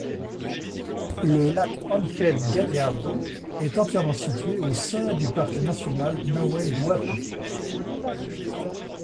Le lac Ángel Gallardo est entièrement situé au sein du parc national Nahuel Huapi.